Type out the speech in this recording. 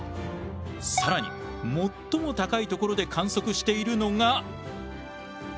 更に最も高い所で観測しているのが。